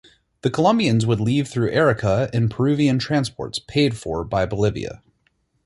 The Colombians would leave through Arica in Peruvian transports paid for by Bolivia.